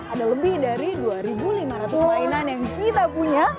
ada lebih dari dua lima ratus mainan yang kita punya